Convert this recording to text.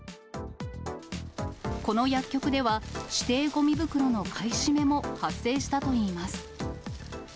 この薬局では、指定ごみ袋の買い占めも発生したといいます。